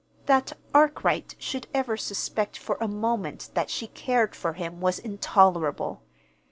That Arkwright should ever suspect for a moment that she cared for him was intolerable.